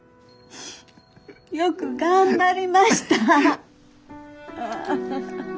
よく頑張りました！